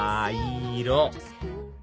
いい色！